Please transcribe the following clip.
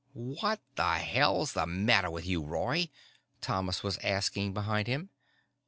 "What the hell's the matter with you, Roy?" Thomas was asking behind him.